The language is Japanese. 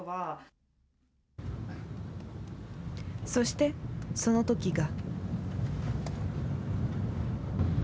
そしてその時が。